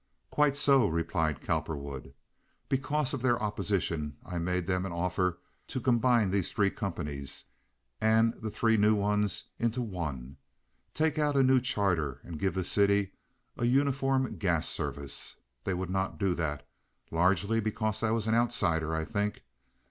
"Quite so," replied Cowperwood. "Because of their opposition I made them an offer to combine these three companies and the three new ones into one, take out a new charter, and give the city a uniform gas service. They would not do that—largely because I was an outsider, I think.